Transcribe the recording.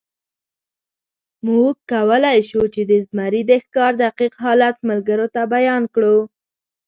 موږ کولی شو، چې د زمري د ښکار دقیق حالت ملګرو ته بیان کړو.